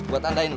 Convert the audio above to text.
gua tandain lo